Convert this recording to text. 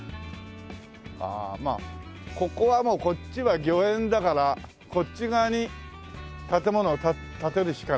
まあここはもうこっちは御苑だからこっち側に建物を建てるしかないけどもね。